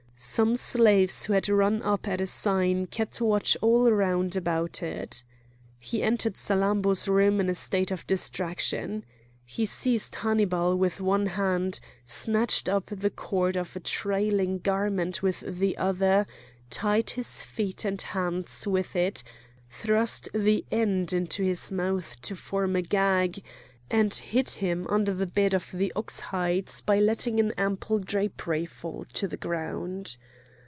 Some slaves who had run up at a sign kept watch all round about it. He entered Salammbô's room in a state of distraction. He seized Hannibal with one hand, snatched up the cord of a trailing garment with the other, tied his feet and hands with it, thrust the end into his mouth to form a gag, and hid him under the bed of the ox hides by letting an ample drapery fall to the ground.